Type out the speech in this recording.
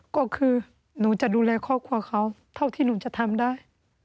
ก็คือหนูจะดูแลครอบครัวเขาเท่าที่หนูจะทำได้